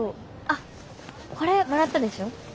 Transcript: あこれもらったでしょ？